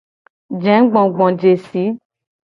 Jegbogbojesi.